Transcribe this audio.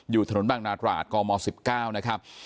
อยู่ถนนบางนาตราดกม๑๙นะครับ